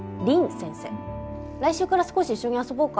来週から少し一緒に遊ぼうか。